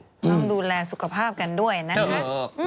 ต้องดูแลสุขภาพกันด้วยนะคะ